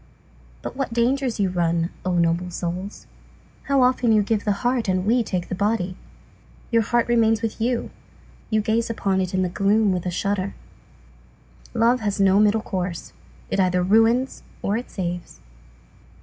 But what dangers you run, O noble souls! Often you give the heart, and we take the body. Your heart remains with you, you gaze upon it in the gloom with a shudder. Love has no middle course; it either ruins or it saves.